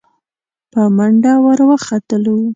په منډه ور وختلو.